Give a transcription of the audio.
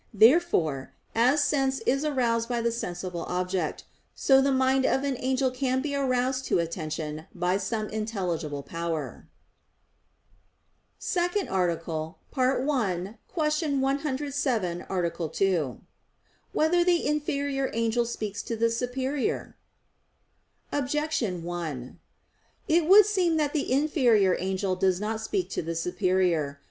Therefore, as sense is aroused by the sensible object, so the mind of an angel can be aroused to attention by some intelligible power. _______________________ SECOND ARTICLE [I, Q. 107, Art. 2] Whether the Inferior Angel Speaks to the Superior? Objection 1: It would seem that the inferior angel does not speak to the superior.